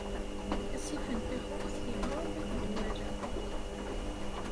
Asif n taxuxt yeqṛeb at Dwala.